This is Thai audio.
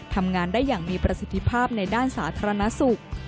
ทำงานได้อย่างมีประสิทธิภาพในด้านสาธารณสุข